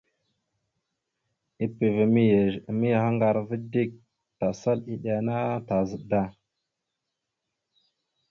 Epeva mbiyez a mayahaŋgar ava dik, tasal iɗe ana tazaɗ da.